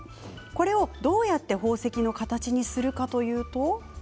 これをどうやって宝石の形にするかというと。